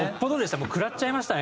もう食らっちゃいましたね